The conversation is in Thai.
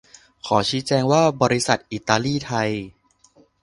ขอชี้แจงว่า บริษัทอิตาเลียนไทย